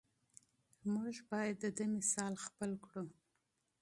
موږ باید د ده مثال تعقیب کړو.